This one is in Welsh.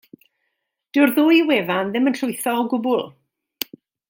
Dyw'r ddwy wefan ddim yn llwytho o gwbl.